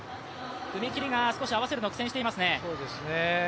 踏み切りが、少し合わせるのに苦戦していますね。